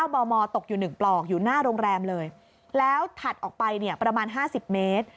มตกอยู่๑ปลอกอยู่หน้าโรงแรมเลยแล้วถัดออกไปเนี่ยประมาณ๕๐เมตร